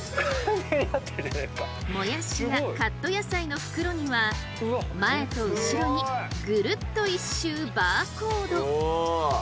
もやしやカット野菜の袋には前と後ろにぐるっと一周バーコード。